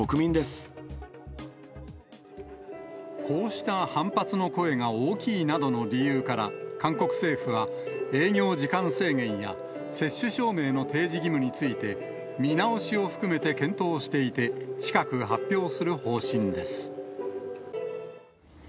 こうした反発の声が大きいなどの理由から、韓国政府は営業時間制限や、接種証明の提示義務について、見直しを含めて検討していて、近く、発表する方針です。